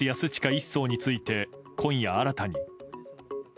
１曹について今夜新たに。